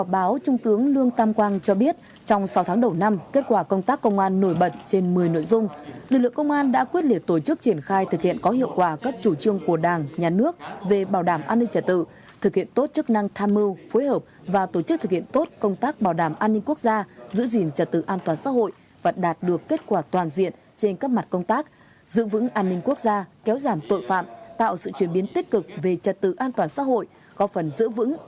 báo trung tướng lương tam quang cho biết trong sáu tháng đầu năm kết quả công tác công an nổi bật trên một mươi nội dung lực lượng công an đã quyết liệt tổ chức triển khai thực hiện có hiệu quả các chủ trương của đảng nhà nước về bảo đảm an ninh trật tự thực hiện tốt chức năng tham mưu phối hợp và tổ chức thực hiện tốt công tác bảo đảm an ninh quốc gia giữ gìn trật tự an toàn xã hội và đạt được kết quả toàn diện trên các mặt công tác giữ vững an ninh quốc gia kéo giảm tội phạm tạo sự chuyển biến tích cực về trật tự an toàn xã hội g